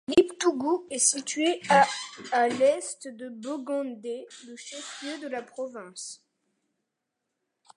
Liptougou est située à à l'Est de Bogandé, le chef-lieu de la province.